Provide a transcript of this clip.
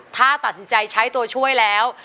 ถ้าตัดสินใจใช้ตัวช่วยแล้ว